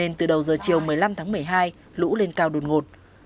nên từ đầu giờ chiều một mươi năm tháng một mươi hai lũ lên cao đột ngột